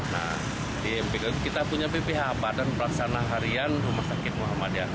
nah kita punya bph badan pelaksanaan harian rumah sakit muhammadiyah